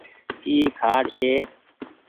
اي کآٽ ڇي